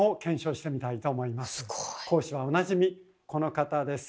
講師はおなじみこの方です。